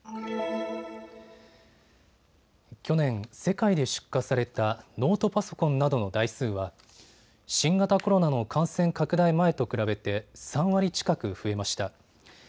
去年、世界で出荷されたノートパソコンなどの台数は新型コロナの感染拡大前と比べて３割近く増えました。